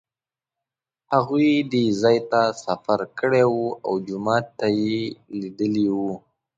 هغوی دې ځای ته سفر کړی و او جومات یې لیدلی و.